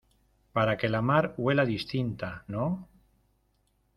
para que la mar huela distinta, ¿ no?